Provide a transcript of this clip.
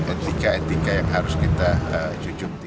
etika etika yang harus kita jujur